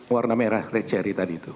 warna merah red cherry tadi itu